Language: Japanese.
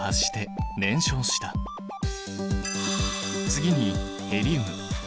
次にヘリウム。